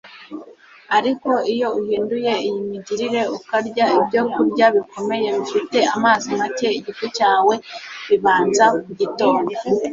ariko iyo uhinduye iyi migirire, ukarya ibyokurya bikomeye bifite amazi make, igifu cyawe bibanza kugitonda